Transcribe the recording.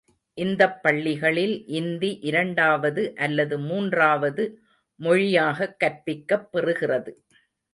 இந்தப் பள்ளிகளில் இந்தி இரண்டாவது அல்லது மூன்றாவது மொழியாகக் கற்பிக்கப்பெறுகிறது.